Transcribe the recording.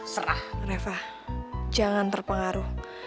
serah reva jangan terpengaruh